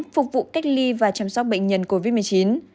phục vụ cách ly và chăm sóc bệnh nhân covid một mươi chín